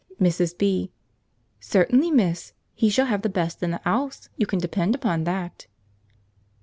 Mrs. B. "Certainly, miss, he shall have the best in the 'ouse, you can depend upon that."